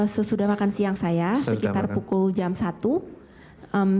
sesudah makan siang saya sekitar pukul jam satu